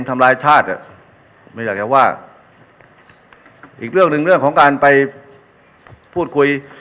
ทำร้ายชาติอ่ะไม่อยากจะว่าอีกเรื่องหนึ่งเรื่องของการไปพูดคุย